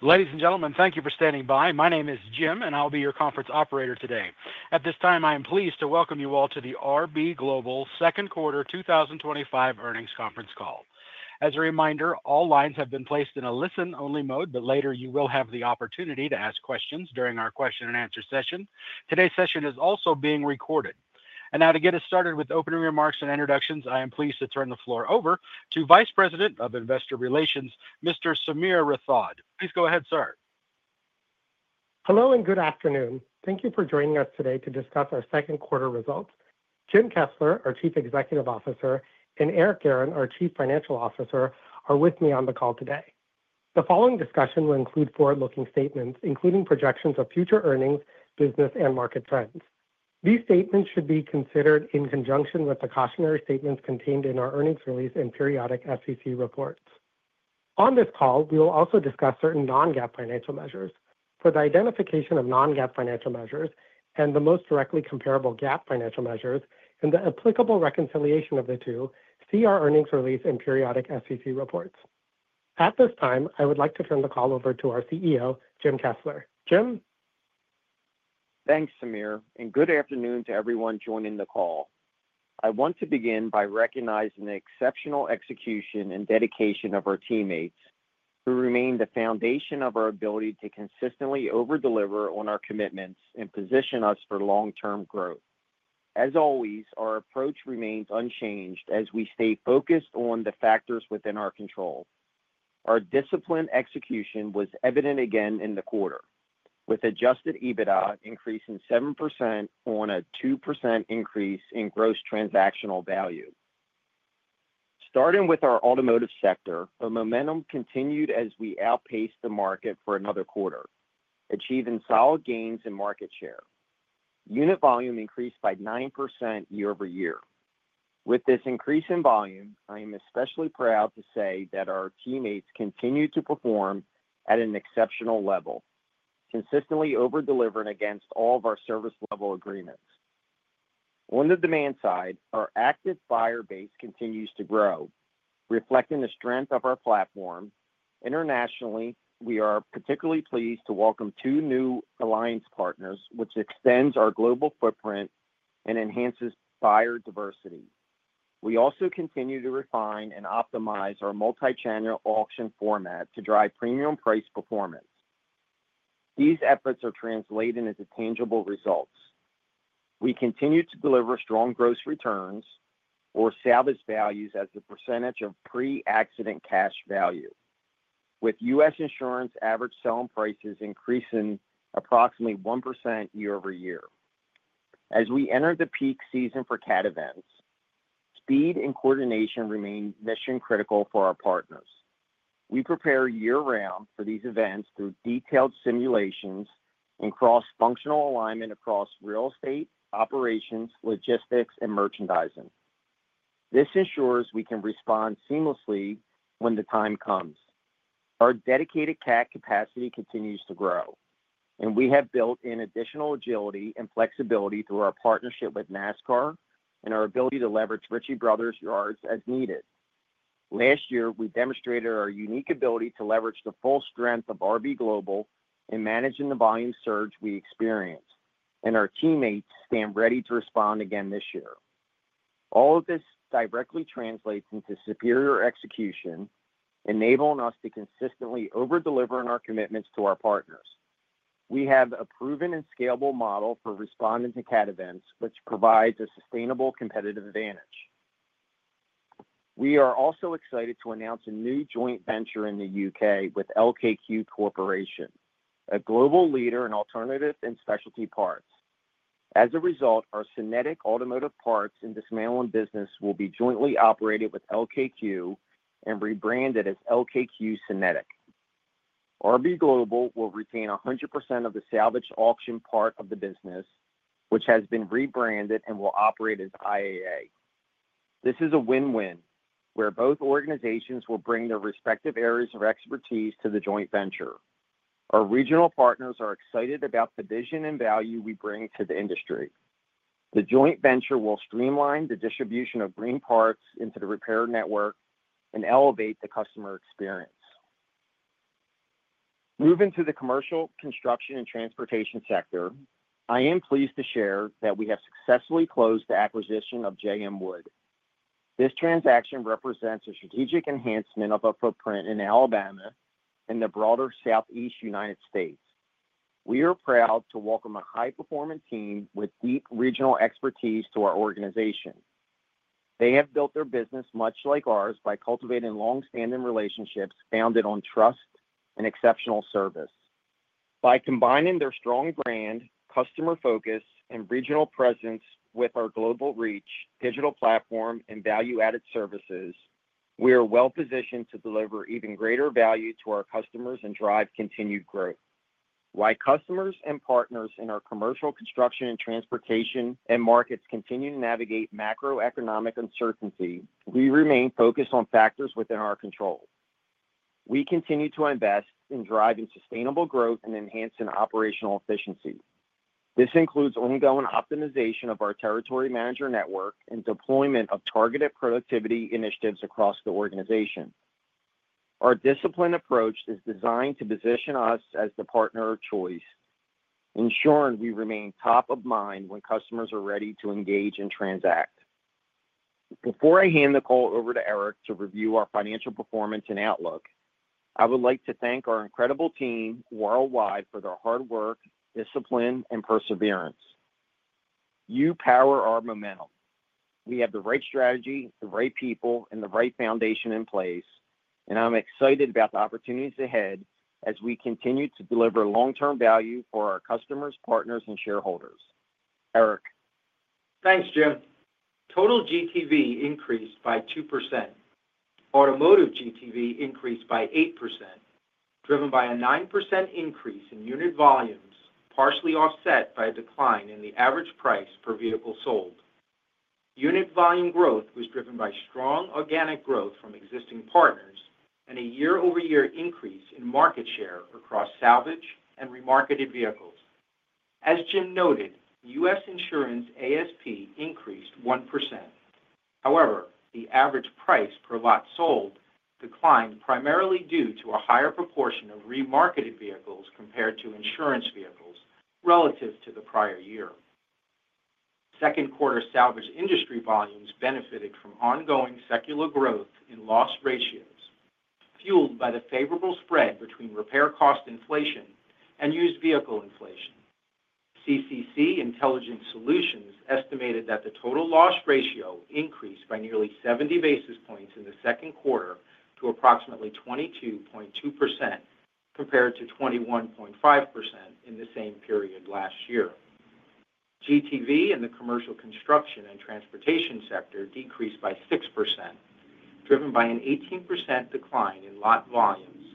Ladies and gentlemen, thank you for standing by. My name is Jim, and I'll be your conference operator today. At this time, I am pleased to welcome you all to the RB Global Second Quarter 2025 earnings conference call. As a reminder, all lines have been placed in a listen-only mode. Later you will have the opportunity to ask questions during our question and answer session. Today's session is also being recorded. Now, to get us started with opening remarks and introductions, I am pleased to turn the floor over to Vice President of Investor Relations, Mr. Sameer Rathod. Please go ahead, sir. Hello and good afternoon. Thank you for joining us today to discuss our second quarter results. Jim Kessler, our Chief Executive Officer, and Eric Guerin, our Chief Financial Officer, are with me on the call today. The following discussion will include forward-looking statements, including projections of future earnings, business, and market trends. These statements should be considered in conjunction with the cautionary statements contained in our earnings release and periodic SEC reports. On this call, we will also discuss certain non-GAAP financial measures. For the identification of non-GAAP financial measures and the most directly comparable GAAP financial measures and the applicable reconciliation of the two, see our earnings release and periodic SEC reports. At this time, I would like to turn the call over to our CEO, Jim Kessler. Jim? Thanks, Sameer, and good afternoon to everyone joining the call. I want to begin by recognizing the exceptional execution and dedication of our teammates, who remain the foundation of our ability to consistently overdeliver on our commitments and position us for long-term growth. As always, our approach remains unchanged as we stay focused on the factors within our control. Our disciplined execution was evident again in the quarter, with adjusted EBITDA increasing 7% on a 2% increase in gross transactional value. Starting with our automotive sector, momentum continued as we outpaced the market for another quarter, achieving solid gains in market share. Unit volume increased by 9% year over year. With this increase in volume, I am especially proud to say that our teammates continue to perform at an exceptional level, consistently overdelivering against all of our service-level agreements. On the demand side, our active buyer base continues to grow, reflecting the strength of our platform. Internationally, we are particularly pleased to welcome two new alliance partners, which extend our global footprint and enhance buyer diversity. We also continue to refine and optimize our multi-channel auction format to drive premium price performance. These efforts are translated into tangible results. We continue to deliver strong gross returns, or salvaged values, as a percentage of pre-accident cash value, with U.S. insurance average selling prices increasing approximately 1% year over year. As we enter the peak season for CAT events, speed and coordination remain mission-critical for our partners. We prepare year-round for these events through detailed simulations and cross-functional alignment across real estate operations, logistics, and merchandising. This ensures we can respond seamlessly when the time comes. Our dedicated CAT capacity continues to grow, and we have built in additional agility and flexibility through our partnership with NASCAR and our ability to leverage Ritchie Bros. yards as needed. Last year, we demonstrated our unique ability to leverage the full strength of RB Global in managing the volume surge we experienced, and our teammates stand ready to respond again this year. All of this directly translates into superior execution, enabling us to consistently overdeliver on our commitments to our partners. We have a proven and scalable model for responding to CAT events, which provides a sustainable competitive advantage. We are also excited to announce a new joint venture in the U.K. with LKQ Corporation, a global leader in alternative and specialty parts. As a result, our Synetiq automotive parts and dismantling business will be jointly operated with LKQ and rebranded as LKQ Synetiq. RB Global will retain 100% of the salvage auction part of the business, which has been rebranded and will operate as IAA. This is a win-win where both organizations will bring their respective areas of expertise to the joint venture. Our regional partners are excited about the vision and value we bring to the industry. The joint venture will streamline the distribution of green parts into the repair network and elevate the customer experience. Moving to the commercial construction and transportation sector, I am pleased to share that we have successfully closed the acquisition of J.M. Wood. This transaction represents a strategic enhancement of our footprint in Alabama and the broader Southeast United States. We are proud to welcome a high-performing team with deep regional expertise to our organization. They have built their business much like ours by cultivating long-standing relationships founded on trust and exceptional service. By combining their strong brand, customer focus, and regional presence with our global reach, digital platform, and value-added services, we are well-positioned to deliver even greater value to our customers and drive continued growth. While customers and partners in our commercial construction and transportation markets continue to navigate macroeconomic uncertainty, we remain focused on factors within our control. We continue to invest in driving sustainable growth and enhancing operational efficiency. This includes ongoing optimization of our territory manager network and deployment of targeted productivity initiatives across the organization. Our disciplined approach is designed to position us as the partner of choice, ensuring we remain top of mind when customers are ready to engage and transact. Before I hand the call over to Eric to review our financial performance and outlook, I would like to thank our incredible team worldwide for their hard work, discipline, and perseverance. You power our momentum. We have the right strategy, the right people, and the right foundation in place, and I'm excited about the opportunities ahead as we continue to deliver long-term value for our customers, partners, and shareholders. Eric. Thanks, Jim. Total GTV increased by 2%. Automotive GTV increased by 8%, driven by a 9% increase in unit volumes, partially offset by a decline in the average price per vehicle sold. Unit volume growth was driven by strong organic growth from existing partners and a year-over-year increase in market share across salvaged and remarketed vehicles. As Jim noted, U.S. insurance ASP increased 1%. However, the average price per lot sold declined primarily due to a higher proportion of remarketed vehicles compared to insurance vehicles relative to the prior year. Second quarter salvaged industry volumes benefited from ongoing secular growth in loss ratios, fueled by the favorable spread between repair cost inflation and used vehicle inflation. CCC Intelligent Solutions estimated that the total loss ratio increased by nearly 70 basis points in the second quarter to approximately 22.2%, compared to 21.5% in the same period last year. GTV in the commercial construction and transportation sector decreased by 6%, driven by an 18% decline in lot volumes,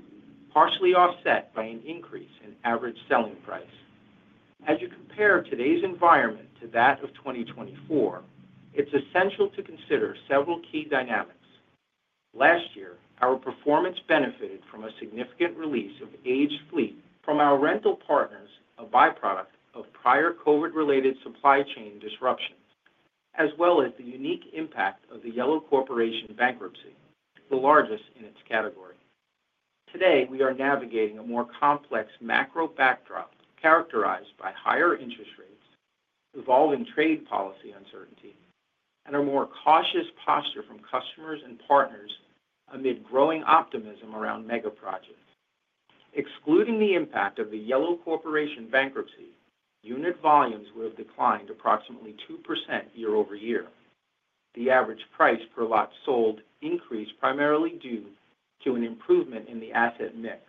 partially offset by an increase in average selling price. As you compare today's environment to that of 2024, it's essential to consider several key dynamics. Last year, our performance benefited from a significant release of aged fleet from our rental partners, a byproduct of prior COVID-related supply chain disruptions, as well as the unique impact of the Yellow Corporation bankruptcy, the largest in its category. Today, we are navigating a more complex macro backdrop characterized by higher interest rates, evolving trade policy uncertainty, and a more cautious posture from customers and partners amid growing optimism around mega projects. Excluding the impact of the Yellow Corporation bankruptcy, unit volumes would have declined approximately 2% year over year. The average price per lot sold increased primarily due to an improvement in the asset mix.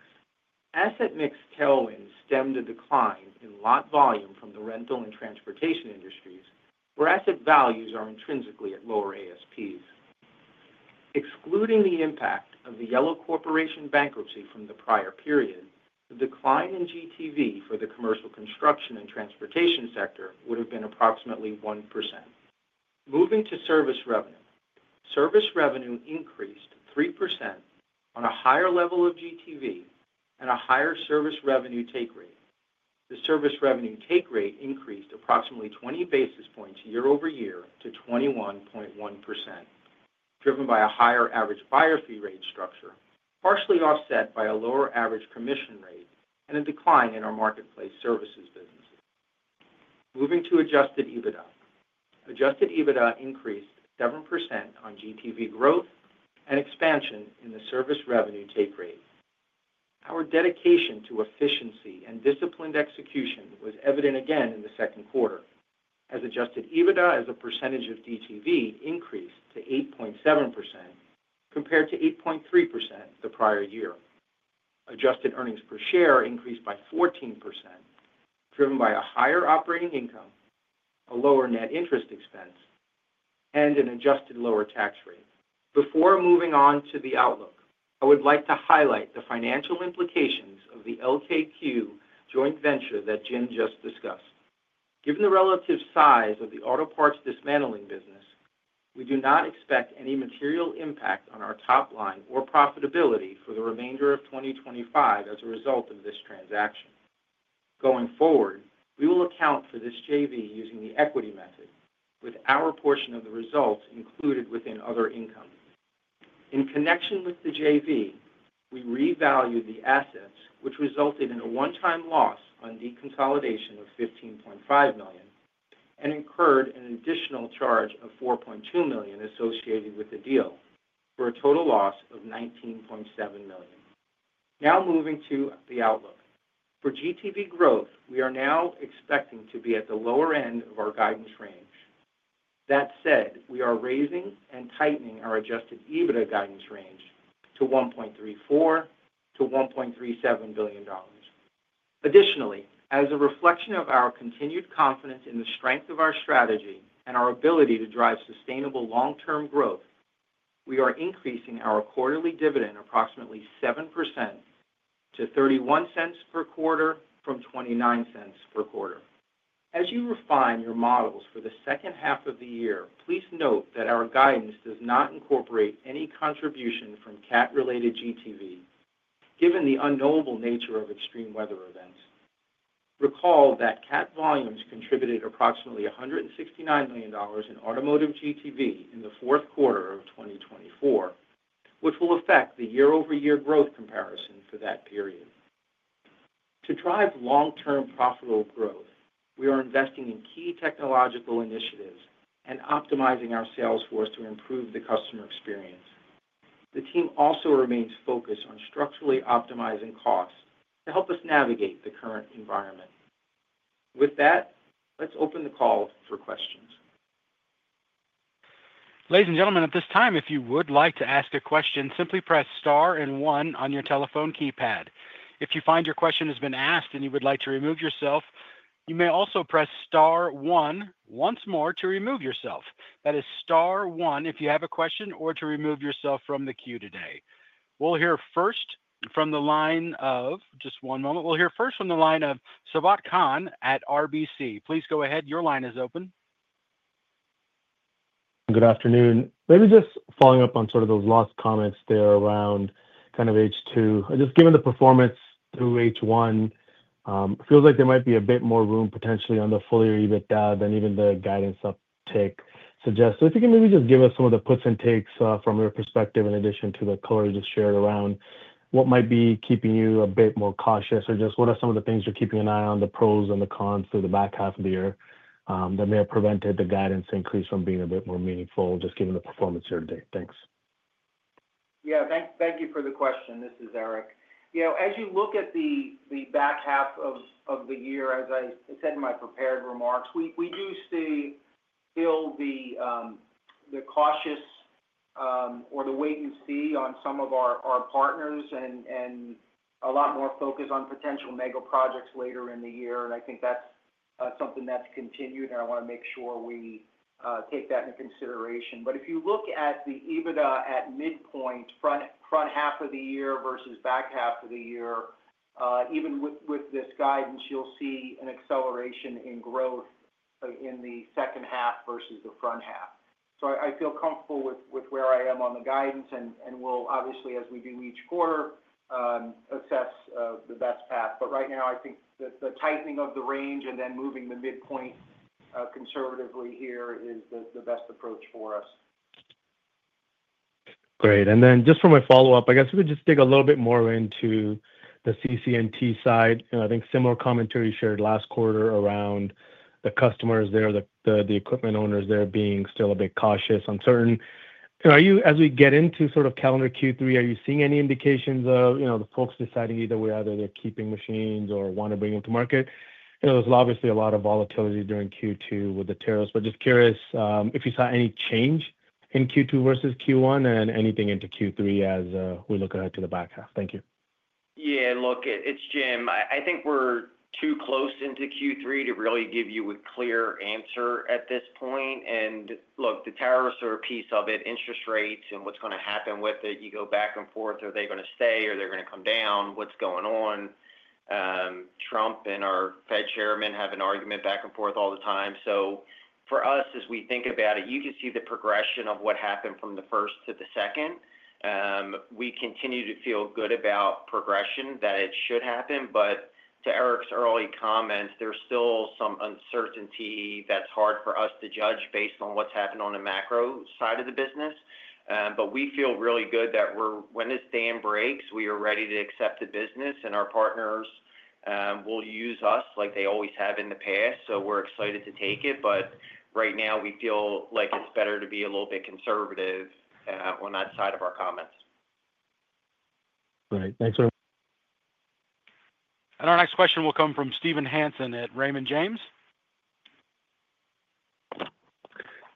Asset mix tailwinds stemmed a decline in lot volume from the rental and transportation industries, where asset values are intrinsically at lower ASPs. Excluding the impact of the Yellow Corporation bankruptcy from the prior period, the decline in GTV for the commercial construction and transportation sector would have been approximately 1%. Moving to service revenue, service revenue increased 3% on a higher level of GTV and a higher service revenue take rate. The service revenue take rate increased approximately 20 basis points year over year to 21.1%, driven by a higher average buyer fee rate structure, partially offset by a lower average commission rate and a decline in our marketplace services business. Moving to adjusted EBITDA, adjusted EBITDA increased 7% on GTV growth and expansion in the service revenue take rate. Our dedication to efficiency and disciplined execution was evident again in the second quarter, as adjusted EBITDA as a percentage of GTV increased to 8.7% compared to 8.3% the prior year. Adjusted earnings per share increased by 14%, driven by a higher operating income, a lower net interest expense, and an adjusted lower tax rate. Before moving on to the outlook, I would like to highlight the financial implications of the LKQ joint venture that Jim just discussed. Given the relative size of the auto parts dismantling business, we do not expect any material impact on our top line or profitability for the remainder of 2025 as a result of this transaction. Going forward, we will account for this JV using the equity method, with our portion of the results included within other income. In connection with the JV, we revalued the assets, which resulted in a one-time loss on de-consolidation of $15.5 million and incurred an additional charge of $4.2 million associated with the deal, for a total loss of $19.7 million. Now moving to the outlook. For GTV growth, we are now expecting to be at the lower end of our guidance range. That said, we are raising and tightening our adjusted EBITDA guidance range to $1.34 billion-$1.37 billion. Additionally, as a reflection of our continued confidence in the strength of our strategy and our ability to drive sustainable long-term growth, we are increasing our quarterly dividend approximately 7% to $0.31 per quarter from $0.29 per quarter. As you refine your models for the second half of the year, please note that our guidance does not incorporate any contribution from CAT-related GTV, given the unknowable nature of extreme weather events. Recall that CAT volumes contributed approximately $169 million in automotive GTV in the fourth quarter of 2024, which will affect the year-over-year growth comparison for that period. To drive long-term profitable growth, we are investing in key technological initiatives and optimizing our sales force to improve the customer experience. The team also remains focused on structurally optimizing costs to help us navigate the current environment. With that, let's open the call for questions. Ladies and gentlemen, at this time, if you would like to ask a question, simply press star and one on your telephone keypad. If you find your question has been asked and you would like to remove yourself, you may also press star one once more to remove yourself. That is star one if you have a question or to remove yourself from the queue today. We'll hear first from the line of Sabahat Khan at RBC. Please go ahead, your line is open. Good afternoon. Maybe just following up on those last comments there around H2. Just given the performance through H1, it feels like there might be a bit more room potentially on the fuller EBITDA than even the guidance uptake suggests. If you can maybe just give us some of the puts and takes from your perspective in addition to the color you just shared around what might be keeping you a bit more cautious or just what are some of the things you're keeping an eye on, the pros and the cons through the back half of the year that may have prevented the guidance increase from being a bit more meaningful just given the performance here today. Thanks. Yeah, thank you for the question. This is Eric. As you look at the back half of the year, as I said in my prepared remarks, we do see still the cautious or the wait-and-see on some of our partners and a lot more focus on potential mega projects later in the year. I think that's something that's continued, and I want to make sure we take that into consideration. If you look at the EBITDA at midpoint, front half of the year versus back half of the year, even with this guidance, you'll see an acceleration in growth in the second half versus the front half. I feel comfortable with where I am on the guidance and will obviously, as we do each quarter, assess the best path. Right now, I think that the tightening of the range and then moving the midpoint conservatively here is the best approach for us. Great. For my follow-up, I guess we could just dig a little bit more into the CCNT side. I think similar commentary shared last quarter around the customers there, the equipment owners there being still a bit cautious, uncertain. Are you, as we get into sort of calendar Q3, seeing any indications of the folks deciding either way, either they're keeping machines or want to bring them to market? There's obviously a lot of volatility during Q2 with the tariffs, but just curious if you saw any change in Q2 versus Q1 and anything into Q3 as we look ahead to the back half. Thank you. Yeah, look, it's Jim. I think we're too close into Q3 to really give you a clear answer at this point. The tariffs are a piece of it. Interest rates and what's going to happen with it, you go back and forth, are they going to stay or are they going to come down? What's going on? Trump and our Fed Chairman have an argument back and forth all the time. For us, as we think about it, you can see the progression of what happened from the first to the second. We continue to feel good about progression, that it should happen. To Eric's early comments, there's still some uncertainty that's hard for us to judge based on what's happened on the macro side of the business. We feel really good that when this dam breaks, we are ready to accept the business and our partners will use us like they always have in the past. We're excited to take it. Right now, we feel like it's better to be a little bit conservative on that side of our comments. Great. Thanks.. Our next question will come from Steve Hansen at Raymond James.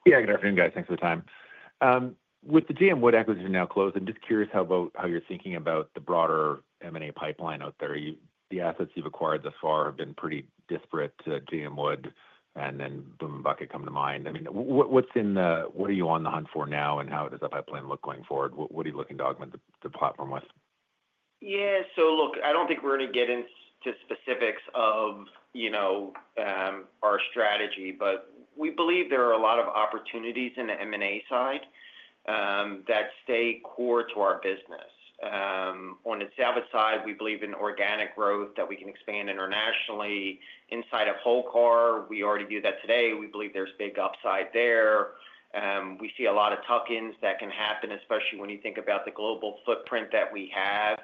Good afternoon, guys. Thanks for the time. With the J.M. Wood acquisition now closed, I'm just curious how you're thinking about the broader M&A pipeline out there. The assets you've acquired thus far have been pretty disparate to J.M. Wood, and then Boom and Bucket come to mind. I mean, what are you on the hunt for now and how does that pipeline look going forward? What are you looking to augment the platform with? Yeah, look, I don't think we're going to get into specifics of our strategy, but we believe there are a lot of opportunities on the M&A side that stay core to our business. On the salvage side, we believe in organic growth that we can expand internationally. Inside of whole car, we already view that today. We believe there's big upside there. We see a lot of tuck-ins that can happen, especially when you think about the global footprint that we have.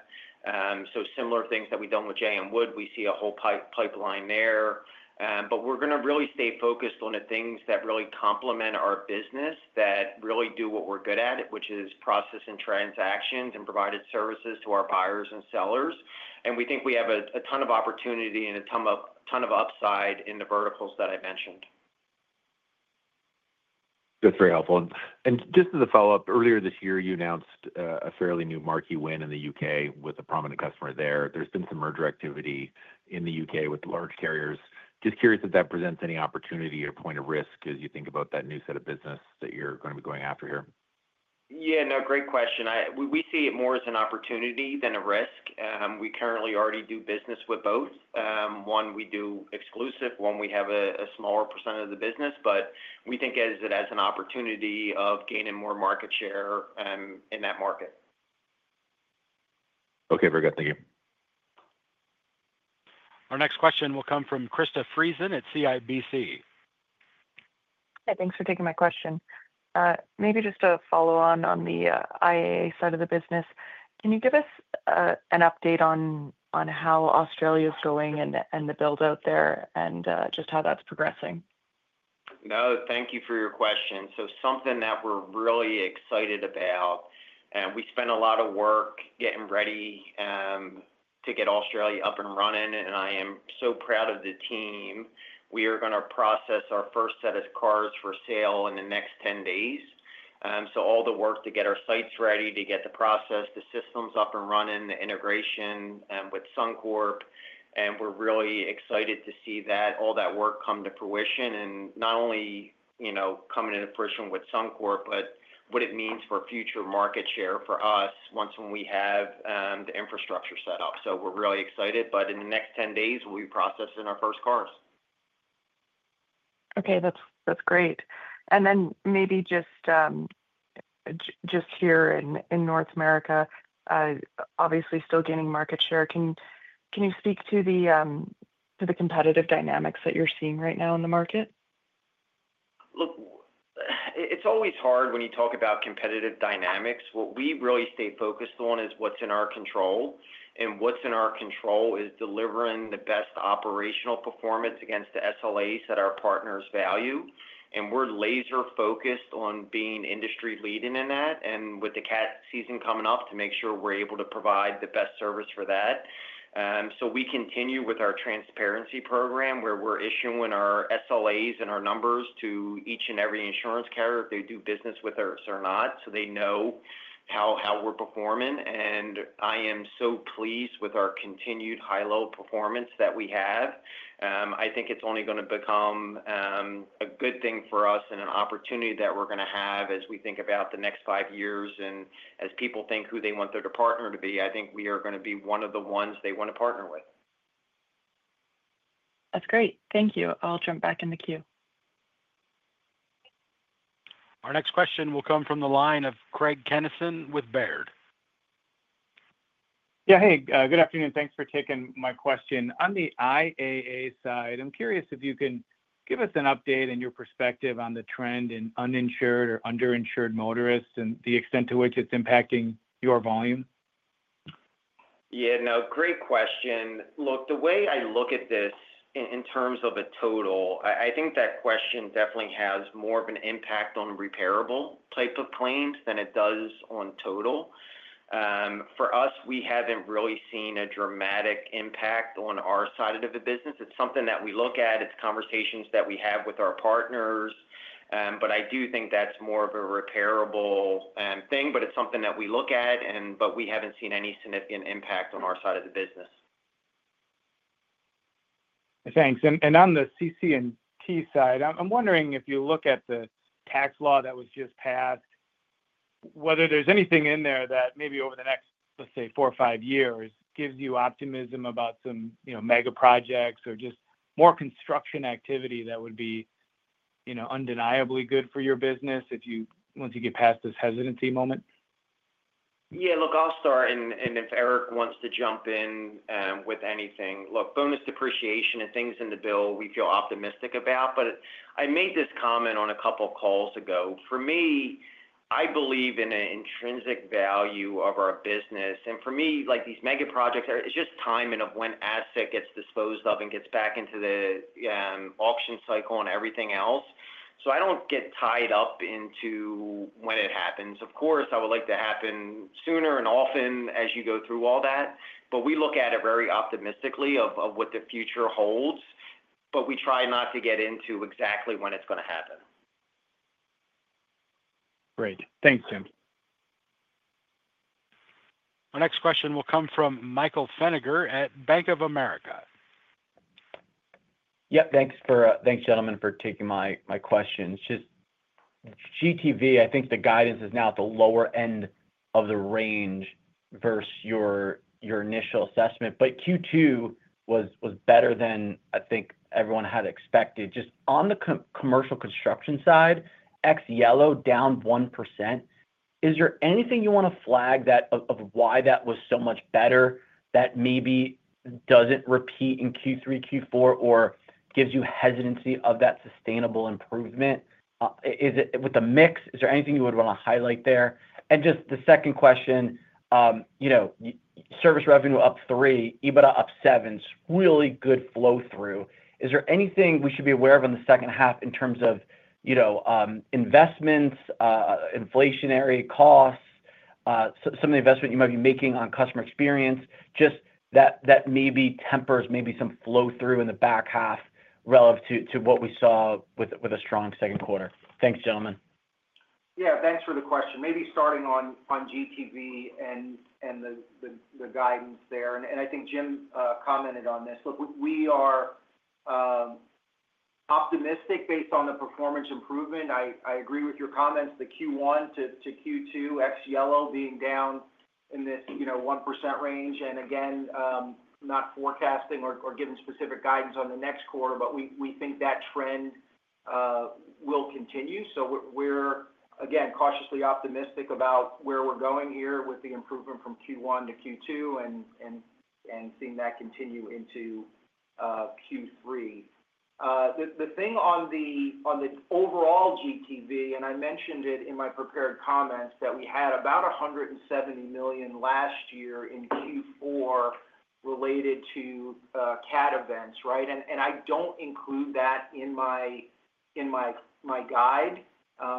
Similar things that we've done with J.M. Wood, we see a whole pipeline there. We're going to really stay focused on the things that really complement our business, that really do what we're good at, which is processing transactions and providing services to our buyers and sellers. We think we have a ton of opportunity and a ton of upside in the verticals that I mentioned. That's very helpful. Just as a follow-up, earlier this year, you announced a fairly new marquee win in the U.K. with a prominent customer there. There's been some merger activity in the U.K. with large carriers. I'm just curious if that presents any opportunity or point of risk as you think about that new set of business that you're going to be going after here. Yeah, no, great question. We see it more as an opportunity than a risk. We currently already do business with both. One, we do exclusive. One, we have a smaller percentage of the business, but we think of it as an opportunity of gaining more market share in that market. Okay, very good. Thank you. Our next question will come from Krista Friesen at CIBC. Hey, thanks for taking my question. Maybe just a follow-on on the IAA side of the business. Can you give us an update on how Australia is going and the build-out there, and just how that's progressing? No, thank you for your question. Something that we're really excited about, and we spent a lot of work getting ready to get Australia up and running, and I am so proud of the team. We are going to process our first set of cars for sale in the next 10 days. All the work to get our sites ready, to get the process, the systems up and running, the integration with Suncorp, and we're really excited to see all that work come to fruition and not only, you know, coming into fruition with Suncorp, but what it means for future market share for us once we have the infrastructure set up. We're really excited. In the next 10 days, we'll be processing our first cars. Okay, that's great. Maybe just here in North America, obviously still gaining market share. Can you speak to the competitive dynamics that you're seeing right now in the market? Look, it's always hard when you talk about competitive dynamics. What we really stay focused on is what's in our control. What's in our control is delivering the best operational performance against the SLAs that our partners value. We're laser-focused on being industry-leading in that, with the CAT season coming up, to make sure we're able to provide the best service for that. We continue with our transparency program where we're issuing our SLAs and our numbers to each and every insurance carrier, if they do business with us or not, so they know how we're performing. I am so pleased with our continued high-level performance that we have. I think it's only going to become a good thing for us and an opportunity that we're going to have as we think about the next five years. As people think who they want their partner to be, I think we are going to be one of the ones they want to partner with. That's great. Thank you. I'll jump back in the queue. Our next question will come from the line of Craig Kennison with Baird. Yeah, hey, good afternoon. Thanks for taking my question. On the IAA side, I'm curious if you can give us an update and your perspective on the trend in uninsured or underinsured motorists and the extent to which it's impacting your volume? Yeah, no, great question. Look, the way I look at this in terms of a total, I think that question definitely has more of an impact on repairable type of claims than it does on total. For us, we haven't really seen a dramatic impact on our side of the business. It's something that we look at. It's conversations that we have with our partners. I do think that's more of a repairable thing, it's something that we look at, and we haven't seen any significant impact on our side of the business. Thank you. On the CCNT side, I'm wondering if you look at the tax law that was just passed, whether there's anything in there that maybe over the next four or five years gives you optimism about some mega projects or just more construction activity that would be undeniably good for your business if you, once you get past this hesitancy moment. Yeah, I'll start. If Eric wants to jump in with anything, bonus depreciation and things in the bill we feel optimistic about. I made this comment a couple of calls ago. For me, I believe in an intrinsic value of our business. For me, these mega projects, it's just timing of when asset gets disposed of and gets back into the auction cycle and everything else. I don't get tied up into when it happens. Of course, I would like it to happen sooner and often as you go through all that. We look at it very optimistically for what the future holds. We try not to get into exactly when it's going to happen. Great. Thanks, Jim. Our next question will come from Michael Feniger at Bank of America. Thanks, gentlemen, for taking my questions. Just GTV, I think the guidance is now at the lower end of the range versus your initial assessment. Q2 was better than I think everyone had expected. Just on the commercial construction side, ex-yellow down 1%. Is there anything you want to flag, why that was so much better that maybe doesn't repeat in Q3, Q4, or gives you hesitancy of that sustainable improvement? Is it with the mix? Is there anything you would want to highlight there? The second question, you know, service revenue up 3%, EBITDA up 7%, really good flow-through. Is there anything we should be aware of in the second half in terms of investments, inflationary costs, some of the investment you might be making on customer experience? Just that maybe tempers some flow-through in the back half relative to what we saw with a strong second quarter. Thanks, gentlemen. Yeah, thanks for the question. Maybe starting on GTV and the guidance there. I think Jim commented on this. Look, we are optimistic based on the performance improvement. I agree with your comments, the Q1 to Q2, ex-yellow being down in this 1% range. Again, not forecasting or giving specific guidance on the next quarter, but we think that trend will continue. We're, again, cautiously optimistic about where we're going here with the improvement from Q1 to Q2 and seeing that continue into Q3. The thing on the overall GTV, and I mentioned it in my prepared comments, we had about $170 million last year in Q4 related to CAT events, right? I don't include that in my guide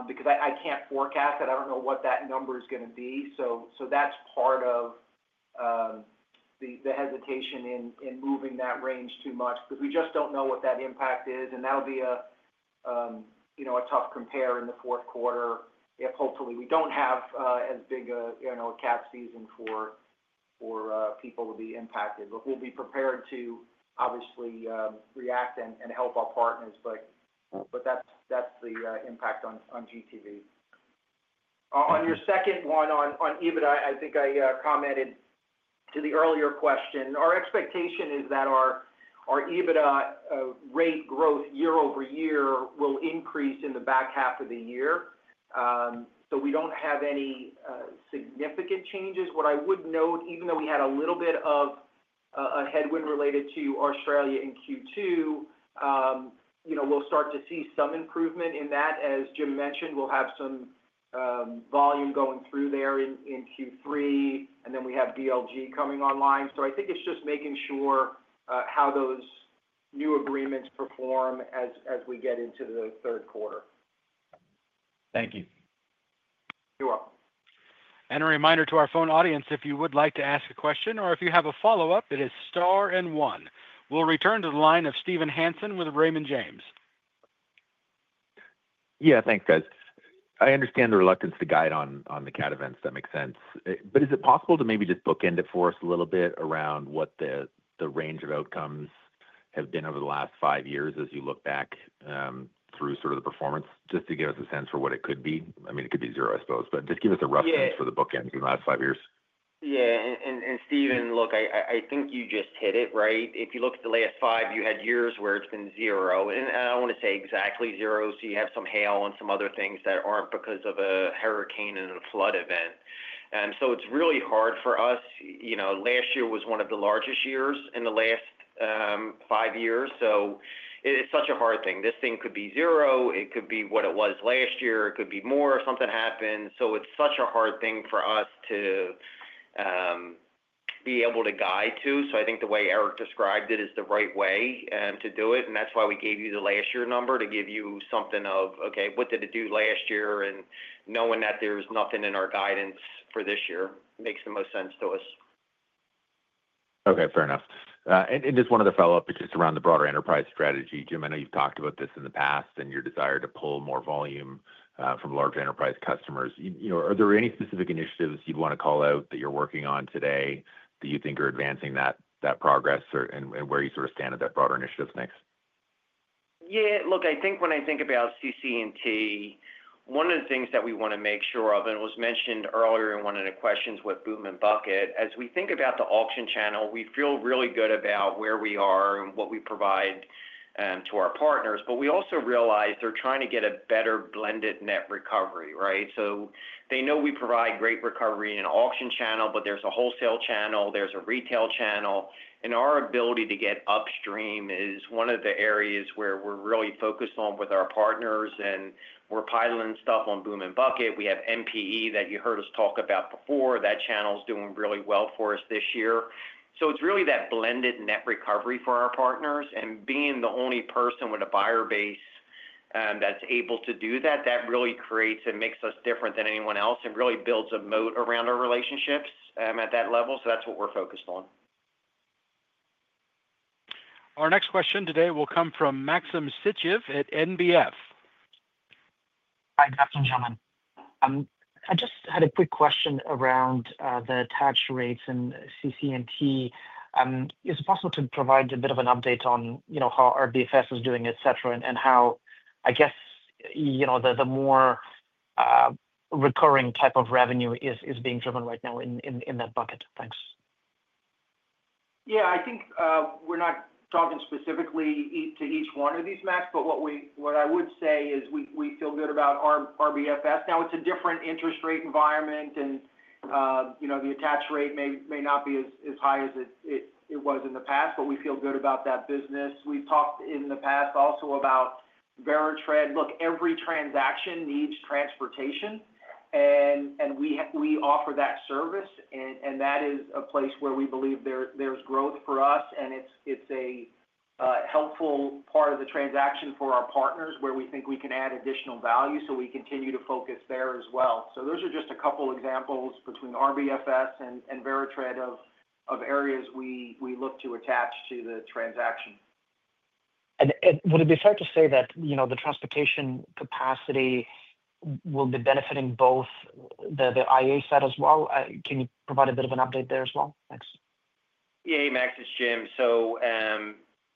because I can't forecast it. I don't know what that number is going to be. That's part of the hesitation in moving that range too much, because we just don't know what that impact is. That'll be a tough compare in the fourth quarter if hopefully we don't have as big a CAT season for people to be impacted. We'll be prepared to obviously react and help our partners. That's the impact on GTV. On your second one on EBITDA, I think I commented to the earlier question. Our expectation is that our EBITDA rate growth year over year will increase in the back half of the year. We don't have any significant changes. What I would note, even though we had a little bit of a headwind related to Australia in Q2, we'll start to see some improvement in that. As Jim mentioned, we'll have some volume going through there in Q3, and then we have BLG coming online. I think it's just making sure how those new agreements perform as we get into the third quarter. Thank you. You're welcome. A reminder to our phone audience, if you would like to ask a question or if you have a follow-up, it is star and one. We'll return to the line of Steven Hansen with Raymond James. Yeah, thanks, guys. I understand the reluctance to guide on the CAT events. That makes sense. Is it possible to maybe just bookend it for us a little bit around what the range of outcomes have been over the last five years as you look back through sort of the performance, just to give us a sense for what it could be? I mean, it could be zero, I suppose, but just give us a rough sense for the bookend in the last five years. Yeah, and Steven, look, I think you just hit it, right? If you look at the last five, you had years where it's been zero. I don't want to say exactly zero, so you have some hail and some other things that aren't because of a hurricane and a flood event. It's really hard for us. Last year was one of the largest years in the last five years. It's such a hard thing. This thing could be zero. It could be what it was last year. It could be more. Something happened. It's such a hard thing for us to be able to guide to. I think the way Eric described it is the right way to do it. That's why we gave you the last year number to give you something of, okay, what did it do last year? Knowing that there's nothing in our guidance for this year makes the most sense to us. Okay, fair enough. Just one other follow-up, it's around the broader enterprise strategy. Jim, I know you've talked about this in the past and your desire to pull more volume from large enterprise customers. Are there any specific initiatives you'd want to call out that you're working on today that you think are advancing that progress and where you sort of stand at that broader initiative next? Yeah, look, I think when I think about CCNT, one of the things that we want to make sure of, and it was mentioned earlier in one of the questions with Boom and Bucket, as we think about the auction channel, we feel really good about where we are and what we provide to our partners. We also realize they're trying to get a better blended net recovery, right? They know we provide great recovery in an auction channel, but there's a wholesale channel, there's a retail channel. Our ability to get upstream is one of the areas where we're really focused on with our partners. We're piloting stuff on Boom and Bucket. We have MPE that you heard us talk about before. That channel is doing really well for us this year. It's really that blended net recovery for our partners. Being the only person with a buyer base that's able to do that really creates and makes us different than anyone else and really builds a moat around our relationships at that level. That's what we're focused on. Our next question today will come from Maxim Sytchev at NBF. Hi, gentlemen. I just had a quick question around the tax rates and CCNT. Is it possible to provide a bit of an update on how RBFS is doing, etc., and how, I guess, the more recurring type of revenue is being driven right now in that bucket? Thanks. Yeah, I think we're not talking specifically to each one of these maps, but what I would say is we feel good about RBFS. Now, it's a different interest rate environment, and you know, the attached rate may not be as high as it was in the past, but we feel good about that business. We've talked in the past also about VeriTread. Look, every transaction needs transportation, and we offer that service. That is a place where we believe there's growth for us, and it's a helpful part of the transaction for our partners where we think we can add additional value. We continue to focus there as well. Those are just a couple of examples between RBFS and VeriTread of areas we look to attach to the transaction. Would it be fair to say that the transportation capacity will be benefiting both the IAA side as well? Can you provide a bit of an update there as well? Thanks. Yeah, hey, Max, it's Jim.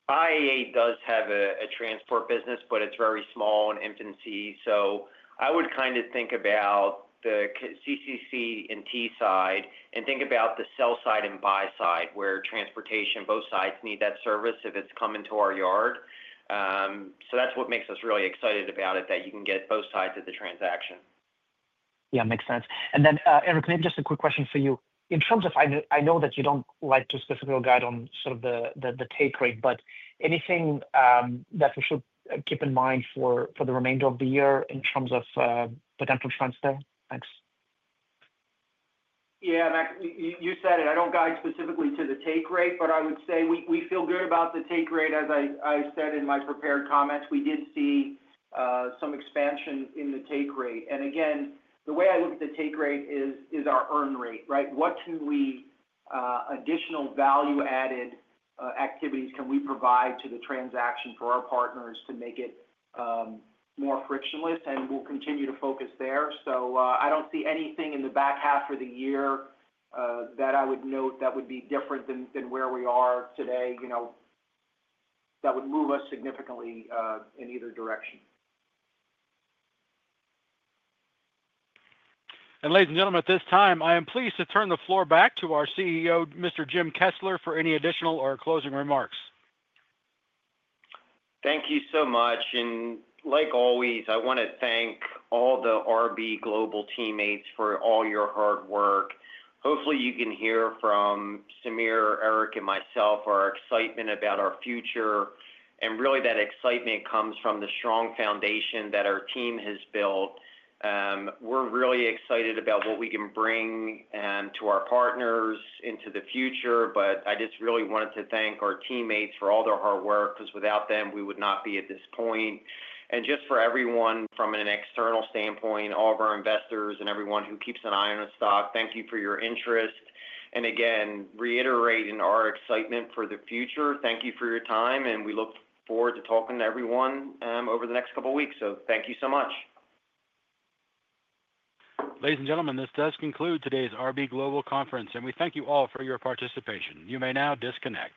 IAA does have a transport business, but it's very small in infancy. I would kind of think about the CCNT side and think about the sell side and buy side where transportation, both sides need that service if it's coming to our yard. That's what makes us really excited about it, that you can get both sides of the transaction. Yeah, makes sense. Eric, maybe just a quick question for you. In terms of, I know that you don't like to specifically guide on sort of the take rate, but anything that we should keep in mind for the remainder of the year in terms of potential trends there? Thanks. Yeah, Max, you said it. I don't guide specifically to the take rate, but I would say we feel good about the take rate. As I said in my prepared comments, we did see some expansion in the take rate. The way I look at the take rate is our earn rate, right? What additional value-added activities can we provide to the transaction for our partners to make it more frictionless? We'll continue to focus there. I don't see anything in the back half of the year that I would note that would be different than where we are today, that would move us significantly in either direction. Ladies and gentlemen, at this time, I am pleased to turn the floor back to our CEO, Mr. Jim Kessler, for any additional or closing remarks. Thank you so much. Like always, I want to thank all the RB Global teammates for all your hard work. Hopefully, you can hear from Sameer, Eric, and myself our excitement about our future. That excitement comes from the strong foundation that our team has built. We're really excited about what we can bring to our partners into the future. I just really wanted to thank our teammates for all their hard work, because without them, we would not be at this point. For everyone from an external standpoint, all of our investors and everyone who keeps an eye on the stock, thank you for your interest. Again, reiterating our excitement for the future, thank you for your time, and we look forward to talking to everyone over the next couple of weeks. Thank you so much. Ladies and gentlemen, this does conclude today's RB Global conference, and we thank you all for your participation. You may now disconnect.